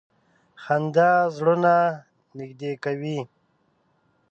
• خندا زړونه نږدې کوي.